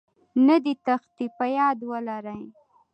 نه دې تېښتې.په ياد ولرئ